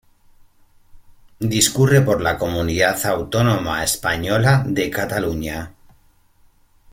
Discurre por la comunidad autónoma española de Cataluña.